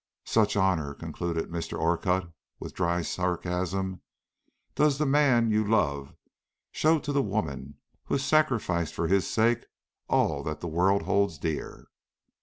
Such honor," concluded Mr. Orcutt, with dry sarcasm, "does the man you love show to the woman who has sacrificed for his sake all that the world holds dear."